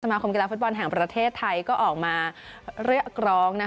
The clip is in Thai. มาคมกีฬาฟุตบอลแห่งประเทศไทยก็ออกมาเรียกร้อง